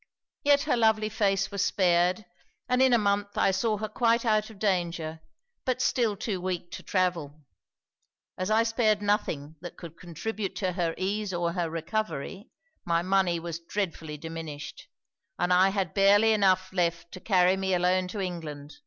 Yet her lovely face was spared; and in a month I saw her quite out of danger, but still too weak to travel. As I spared nothing that could contribute to her ease or her recovery, my money was dreadfully diminished, and I had barely enough left to carry me alone to England.